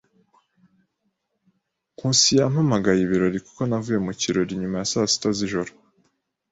Nkusi yampamagaye ibirori kuko navuye mu kirori nyuma ya saa sita z'ijoro.